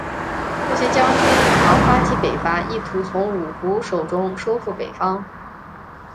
这些将军常发起北伐意图从五胡手中收复北方。